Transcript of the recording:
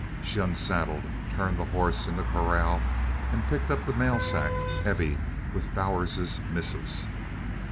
She unsaddled, turned the horse in the corral, and picked up the mail sack heavy with Bowers's missives.